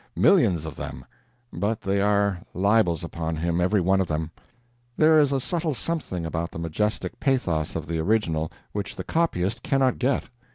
Millions of them. But they are libels upon him, every one of them. There is a subtle something about the majestic pathos of the original which the copyist cannot get.